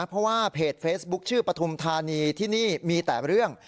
เพราะว่าเพจเฟซบุ๊คชื่อปฐุมธานีที่นี่มีแต่เรื่อง